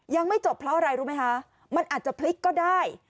ยังไม่จบเพราะอะไรมันอาจจะพลิกก็ได้